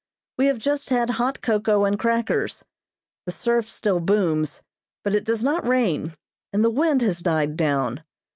We have just had hot cocoa and crackers. The surf still booms, but it does not rain, and the wind has died down.